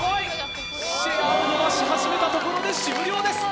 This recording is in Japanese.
シェアを伸ばし始めたところで終了です。